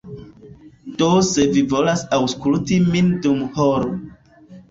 Do se vi volas aŭskulti min dum horo